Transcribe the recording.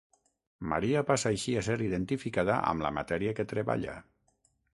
Maria passa així a ser identificada amb la matèria que treballa.